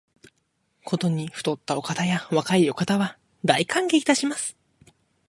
ことに肥ったお方や若いお方は、大歓迎いたします